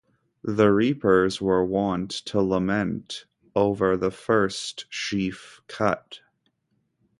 The reapers were wont to lament over the first sheaf cut.